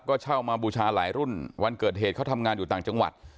ก็เช่ามาบูชาหลายรุ่นวันเกิดเหตุเขาทำงานอยู่ต่างจังหวัด